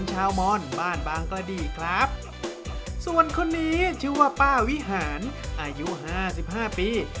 มอนบ้านบางกระดีครับส่วนคนนี้ชื่อว่าป้าวิหารอายุห้าสิบห้าปี